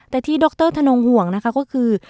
แต่ที่ดรธนงห่วงนะคะก็คือ